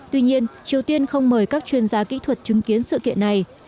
tuy nhiên triều tiên không mời các chuyên gia kỹ thuật chứng kiến sự kiện này